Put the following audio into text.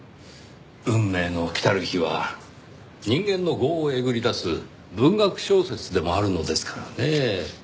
『運命の来たる日』は人間の業をえぐり出す文学小説でもあるのですからねぇ。